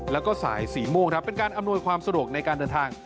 แล้วก็สายสีม่วงครับเป็นการอำนวยความสะดวกในการเดินทาง